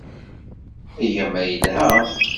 Agama yelha